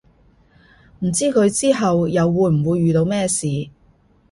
唔知佢之後又會唔會遇到咩事